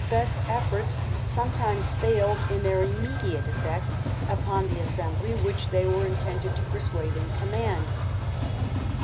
best efforts sometimes failed in their immediate effect upon the assembly which they were intended to persuade and command.